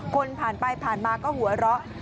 คนผ่านไปผ่านมาก็หัวเราะ